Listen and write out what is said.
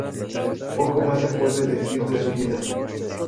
Poco más se puede decir de su vida.